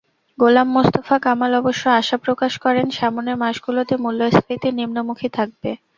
গোলাম মোস্তফা কামাল অবশ্য আশা প্রকাশ করেন, সামনের মাসগুলোতে মূল্যস্ফীতি নিম্নমুখী থাকবে।